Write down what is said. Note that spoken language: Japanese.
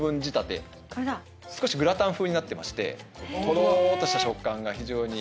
少しグラタン風になってましてとろーっとした食感が非常に。